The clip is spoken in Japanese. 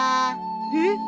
えっ！？